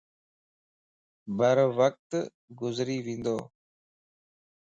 ڀرووقت گذري وندو